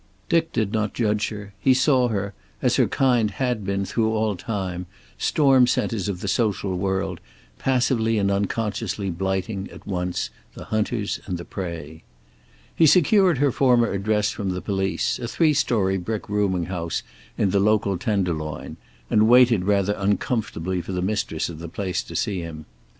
Dick did not judge her. He saw her, as her kind had been through all time, storm centers of the social world, passively and unconsciously blighting, at once the hunters and the prey. He secured her former address from the police, a three story brick rooming house in the local tenderloin, and waited rather uncomfortably for the mistress of the place to see him.